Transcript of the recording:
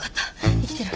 生きてる。